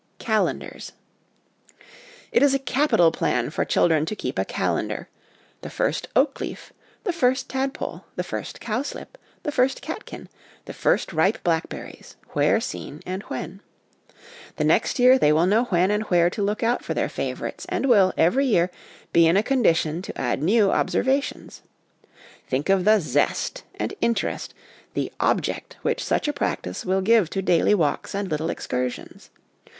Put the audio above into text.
Calendars. It is a capital plan for children to keep a calendar the first oak leaf, the first tad pole, the first cowslip, the first catkin, the first ripe blackberries, where seen, and when. The next year they will know when and where to look out for their favourites, and will, every year, be in a condition to add new observations. Think of the zest and interest, the object, which such a practice will give to daily walks and little excursions.